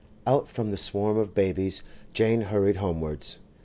Out from the swarm of babies Jane hurried homewards.